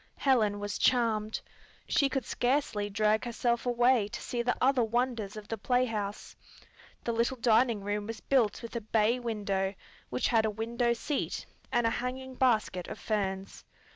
Helen was charmed. She could scarcely drag herself away to see the other wonders of the playhouse. The little dining room was built with a bay window, which had a window seat, and a hanging basket of ferns.